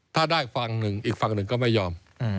ถ้าได้ฝั่งหนึ่งอีกฝั่งหนึ่งก็ไม่ยอม